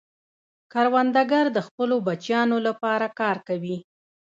کروندګر د خپلو بچیانو لپاره کار کوي